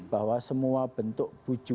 bahwa semua bentuk pujukannya